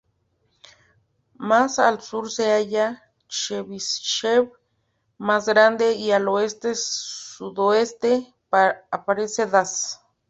Más al sur se halla Chebyshev, más grande, y al oeste-sudoeste aparece Das.